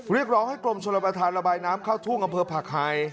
เรียกร้องให้กรมชนประธานระบายน้ำเข้าทุ่งอำเภอผักไห่